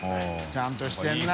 ちゃんとしてるな。